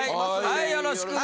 はいよろしくね。